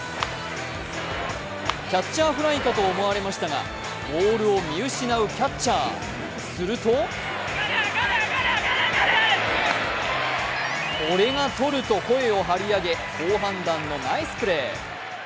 キャッチャーフライかと思われましたがボールを見失うキャッチャー、すると俺がとると声を張り上げ好判断のナイスプレー。